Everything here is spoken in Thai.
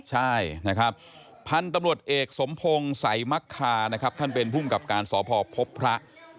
ใช่นะครับพันธุ์ตำรวจเอกสมพงษ์สายมชาท่านเป็นผู้งักการศพพระ